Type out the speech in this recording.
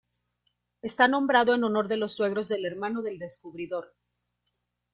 Está nombrado en honor de los suegros del hermano del descubridor.